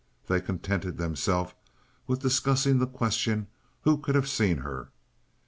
They contented themselves with discussing the question who could have seen her.